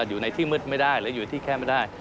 อยู่ในที่มืดไม่ได้หรืออยู่ที่แคบไม่ได้